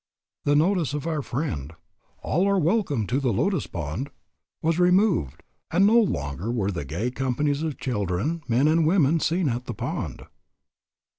The notice of our friend, "All are welcome to the Lotus Pond," was removed, and no longer were the gay companies of children and of men and women seen at the pond.